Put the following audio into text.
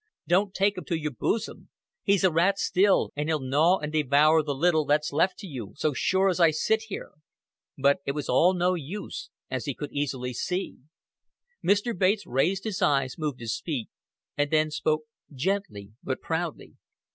Don't take him to your boosum. He's a rat still an' he'll gnaw and devour the little that's left to you, so sure as I sit here." But it was all no use, as he could easily see. Mr. Bates raised his eyes, moved his feet, and then spoke gently but proudly.